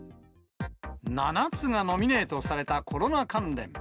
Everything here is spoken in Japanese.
７つがノミネートされたコロナ関連。